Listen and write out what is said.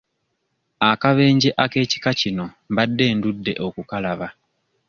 Akabenje ak'ekika kino mbadde ndudde okukalaba.